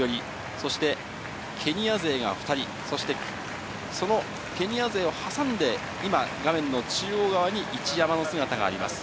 そしてケニア勢が２人、そして、そのケニア勢を挟んで、今、画面の中央側に一山の姿があります。